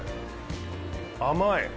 甘い。